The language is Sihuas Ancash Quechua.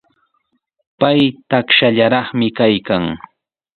Pay takshallaraqmi kaykan.